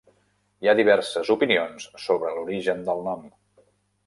Hi ha diverses opinions sobre l'origen del nom.